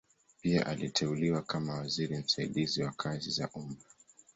Pia aliteuliwa kama waziri msaidizi wa kazi za umma.